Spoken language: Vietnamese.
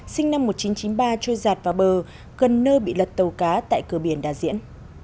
sinh năm một nghìn chín trăm chín mươi ba trôi giạt vào bờ gần nơi bị lật tàu cá tại cửa biển đà diễn